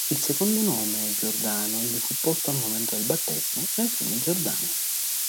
Il secondo nome Giordano gli fu posto al momento del battesimo nel fiume Giordano.